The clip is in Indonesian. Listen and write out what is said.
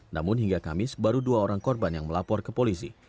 namun hingga kamis baru dua orang korban yang melapor ke polisi